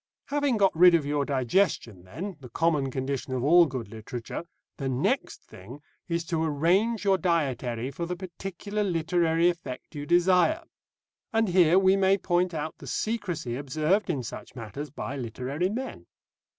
Having got rid of your digestion, then, the common condition of all good literature, the next thing is to arrange your dietary for the particular literary effect you desire. And here we may point out the secrecy observed in such matters by literary men.